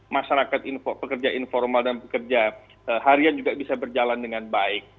masyarakat pekerja informal dan pekerja harian juga bisa berjalan dengan baik